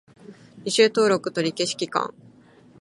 履修登録取り消し期間